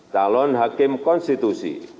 calon hakim konstitusi